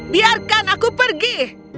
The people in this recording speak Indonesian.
biarkan aku pergi